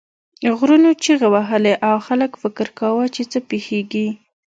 غرونو چیغې وهلې او خلک فکر کاوه چې څه پیښیږي.